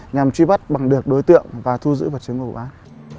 nhằm truy bắt bằng được đối tượng và thu giữ vật chứng của vụ án